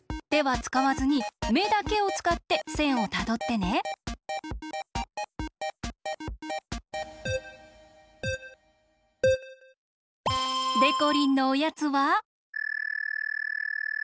てはつかわずにめだけをつかってせんをたどってね。でこりんのおやつは。